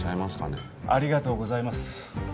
ありがとうございます。